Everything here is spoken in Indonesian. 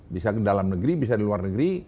bisa ke dalam negeri bisa di luar negeri